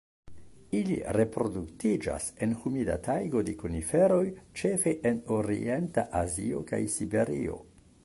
Ili reproduktiĝas en humida tajgo de koniferoj, ĉefe en orienta Azio kaj Siberio.